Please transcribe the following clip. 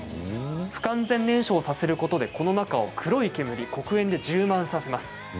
不完全燃焼させることでこの中を黒い煙黒煙で充満させます。